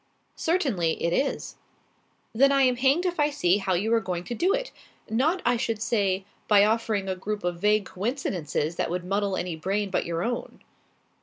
"Certainly it is." "Then I am hanged if I see how you are going to do it. Not, I should say, by offering a group of vague coincidences that would muddle any brain but your own."